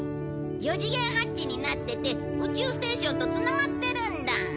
四次元ハッチになってて宇宙ステーションとつながってるんだ。